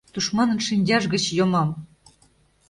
Тушманын шинчаж гыч йомам.